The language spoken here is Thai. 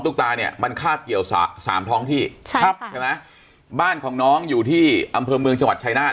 ตาเนี่ยมันคาบเกี่ยวสามท้องที่ใช่ครับใช่ไหมบ้านของน้องอยู่ที่อำเภอเมืองจังหวัดชายนาฏ